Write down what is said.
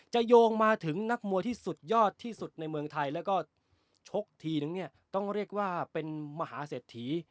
โยงมาถึงนักมวยที่สุดยอดที่สุดในเมืองไทยแล้วก็ชกทีนึงเนี่ยต้องเรียกว่าเป็นมหาเศรษฐี